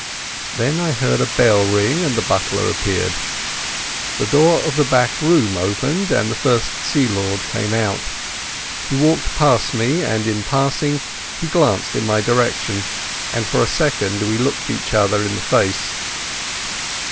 Then I heard a bell ring, and the butler appeared. The door of the back room opened, and the First Sea Lord came out. He walked past me, and in passing he glanced in my direction, and for a second we looked each other in the face.